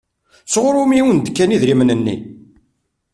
Sɣur wumi i wen-d-kan idrimen-nni?